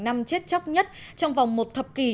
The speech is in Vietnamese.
năm chết chóc nhất trong vòng một thập kỷ